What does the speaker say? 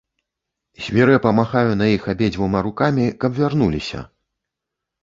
Свірэпа махаю на іх абедзвюма рукамі, каб вярнуліся.